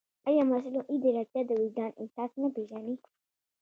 ایا مصنوعي ځیرکتیا د وجدان احساس نه پېژني؟